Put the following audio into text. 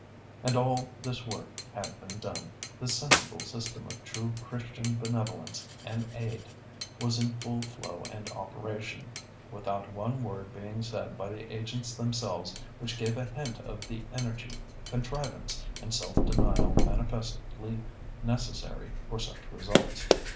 And all this work had been done—this sensible system of true Christian benevolence and aid was in full flow and operation—without one word being said by the agents themselves which gave a hint of the energy, contrivance, and self denial manifestly necessary for such results.